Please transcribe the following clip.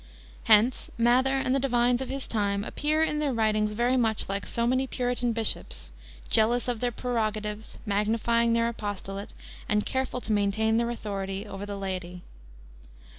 Hence Mather and the divines of his time appear in their writings very much like so many Puritan bishops, jealous of their prerogatives, magnifying their apostolate, and careful to maintain their authority over the laity.